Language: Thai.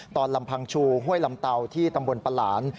ลำพังชูห้วยลำเตาที่ตำบลประหลาน